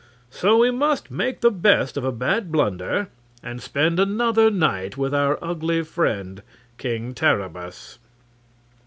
So we must make the best of a bad blunder and spend another night with our ugly friend King Terribus."